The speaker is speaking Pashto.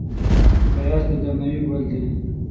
ښایست د درناوي ګل دی